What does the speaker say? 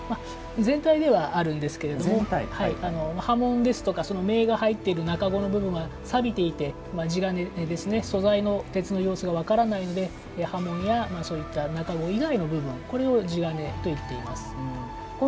全体ではあるんですが刃文や銘が入っているなかごの部分はさびていて、地鉄、素材の鉄の様子が分からないので刃文や、なかご以外の部分これを地鉄といっています。